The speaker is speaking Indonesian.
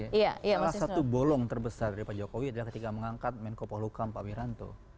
salah satu bolong terbesar dari pak jokowi adalah ketika mengangkat menko polukam pak wiranto